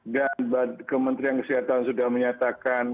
dan kementerian kesehatan sudah menyatakan